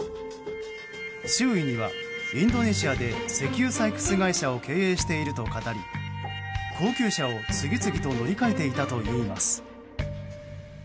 周囲にはインドネシアで石油採掘会社を経営していると語り高級車を次々と乗り換えていたといいます。